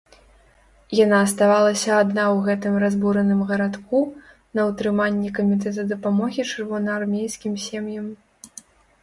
Яна аставалася адна ў гэтым разбураным гарадку, на ўтрыманні камітэта дапамогі чырвонаармейскім сем'ям.